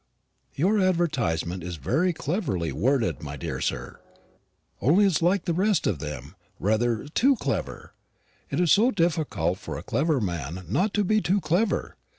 Your advertisement is very cleverly worded, my dear sir; only it's like the rest of them, rather too clever. It is so difficult for a clever man not to be too clever.